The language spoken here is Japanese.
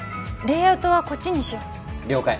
レイアウトはこっちにしよう了解